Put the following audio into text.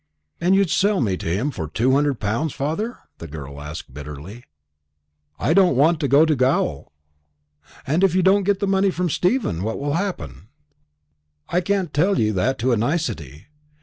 "And you'd sell me to him for two hundred pounds, father?" the girl asked bitterly. "I don't want to go to gaol." "And if you don't get the money from Stephen, what will happen?" "I can't tell you that to a nicety.